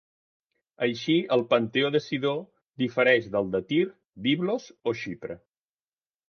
Així el panteó de Sidó difereix del de Tir, Biblos o Xipre.